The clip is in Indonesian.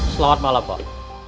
selamat malam pak